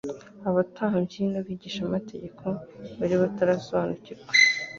Abatambyi n’abigishamategeko bari batarasobanukirwa